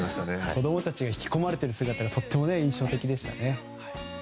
子供たちが引き込まれている姿が印象的でしたね。